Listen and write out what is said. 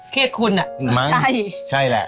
เครียดคุณอะตายมั้งใช่แหละ